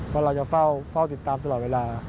เพราะเราจะเฝ้าติดตามตลอดเวลา